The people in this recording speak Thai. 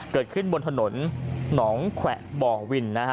เกิดขึ้นบนถนนหนองแขวะบ่อวินนะฮะ